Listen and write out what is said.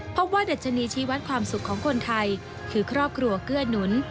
ว่าดัชนีชีวัตรความสุขของคนไทยคือครอบครัวเกื้อหนุน